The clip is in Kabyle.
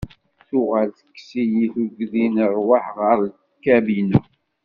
Tuɣal tekkes-iyi tuggdi n rrwaḥ ɣer lkabina.